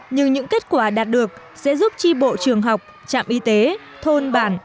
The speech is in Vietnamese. nhưng những kết quả đạt được sẽ giúp tri bộ trường học trạm y tế thôn bản